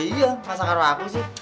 iya masa karun aku sih